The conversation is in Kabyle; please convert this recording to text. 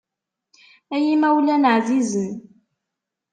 Ay imawlan εzizen.